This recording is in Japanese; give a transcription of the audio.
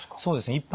そうですね。